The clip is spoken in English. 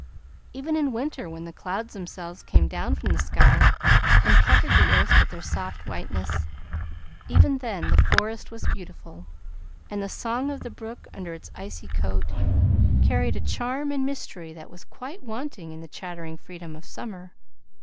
Even in winter, when the clouds themselves came down from the sky and covered the earth with their soft whiteness, even then the forest was beautiful; and the song of the brook under its icy coat carried a charm and mystery that were quite wanting in the chattering freedom of summer.